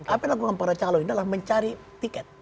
apa yang dilakukan para calon ini adalah mencari tiket